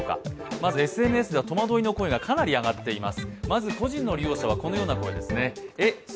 まずＳＮＳでは、戸惑いの声がかなり上がっています。